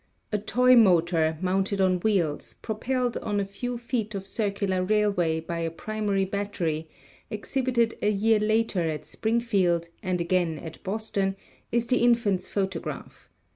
A toy motor, mounted on wheels, propelled on a few feet of circular railway by a primary battery, exhibited a year later at Springfield, and again at Boston, is the infant's photo graph.